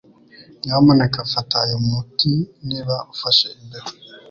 Nyamuneka fata uyu muti niba ufashe imbeho.